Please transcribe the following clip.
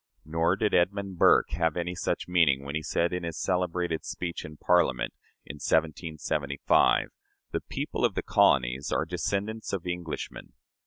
Nor did Edmund Burke have any such meaning when he said, in his celebrated speech in Parliament, in 1775, "The people of the colonies are descendants of Englishmen."